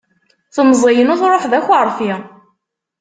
Temẓi inu truḥ d akeṛfi.